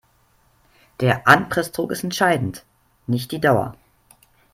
Der Anpressdruck ist entscheidend, nicht die Dauer.